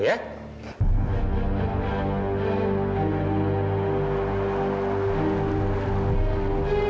saya masuk dulu ya